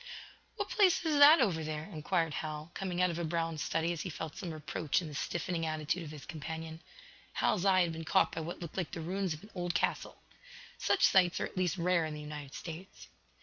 "What place is that over there?" inquired Hal, coming out of a brown study as he felt some reproach in the stiffening attitude of his companion. Hal's eye had been caught by what looked like the ruins of an old castle. Such sights are at least rare in the United States.